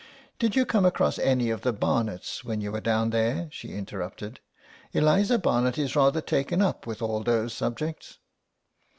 "Did you come across any of the Barnets when you were down there?" she interrupted; "Eliza Barnet is rather taken up with all those subjects."